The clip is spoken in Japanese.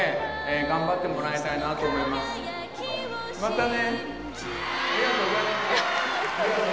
またね！